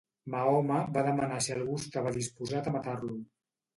Mahoma va demanar si algú estava disposat a matar-lo.